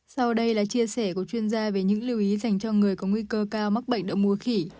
sau đây là chia sẻ của chuyên gia về những lưu ý dành cho người có nguy cơ cao mắc bệnh đậu mùa khỉ